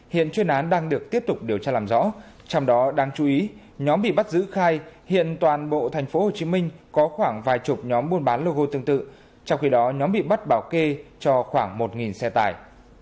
hiện chuyên án đang được tiếp tục điều tra làm rõ trong đó đáng chú ý nhóm bị bắt giữ khai hiện toàn bộ tp hcm có khoảng vài chục nhóm buôn bán logo tương tự trong khi đó nhóm bị bắt bảo kê cho khoảng một xe tải